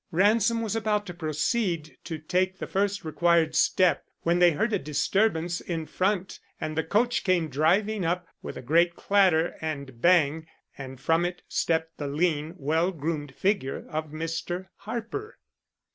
Ransom was about to proceed to take the first required step, when they heard a disturbance in front, and the coach came driving up with a great clatter and bang and from it stepped the lean, well groomed figure of Mr. Harper.